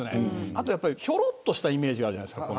あと、ひょろっとしたイメージがあるじゃないですか。